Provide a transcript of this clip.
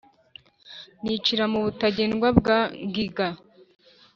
Nicira mu Butagendwa bwa Ngiga,